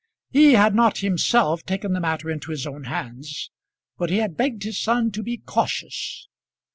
He had not himself taken the matter into his own hands, but he had begged his son to be cautious.